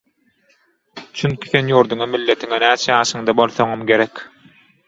Çünki sen ýurduňa, milletiňe näçe ýaşyňda bolsaňam gerek.